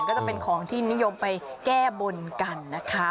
ก็จะเป็นของที่นิยมไปแก้บนกันนะคะ